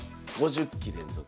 ５０期連続。